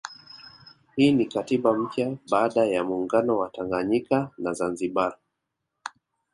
Hii ni katiba mpya baada ya muungano wa Tanganyika na Zanzibari